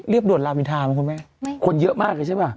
เรียบหนวดลามินทามันคุณแม่ไม่คงคนเยอะมากอ่ะใช่ป่ะ